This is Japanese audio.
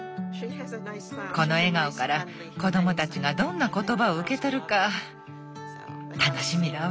この笑顔から子供たちがどんな言葉を受け取るか楽しみだわ。